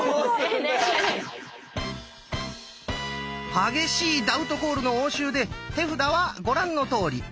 激しいダウトコールの応酬で手札はご覧のとおり。